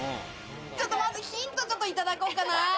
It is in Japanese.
ちょっとまずヒントいただこうかな。